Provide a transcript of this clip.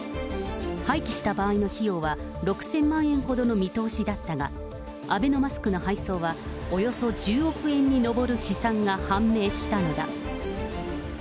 廃棄した場合の費用は６０００万円ほどの見通しだったが、アベノマスクの配送はおよそ１０億円に上る試算が判明したのだ。